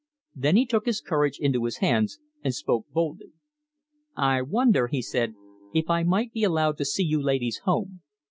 Then he took his courage into his hands and spoke boldly. "I wonder," he said, "if I might be allowed to see you ladies home.